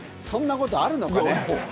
そんなことあるのかね。